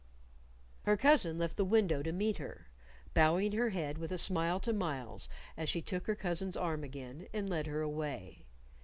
Her cousin left the window to meet her, bowing her head with a smile to Myles as she took her cousin's arm again and led her away.